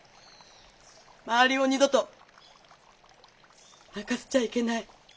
周りを二度と泣かせちゃいけない。